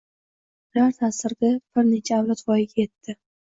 Ular ta`sirida bir necha avlod voyaga etdi